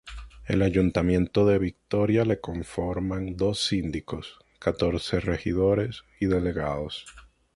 El ayuntamiento de Victoria le conforman dos síndicos, catorce regidores y delegados.